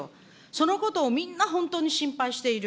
そのことをみんな本当に心配している。